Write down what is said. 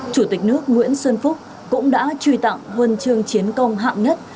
chủ tịch nước nguyễn xuân phúc cũng đã truy tặng huân chương chiến công hạng nhất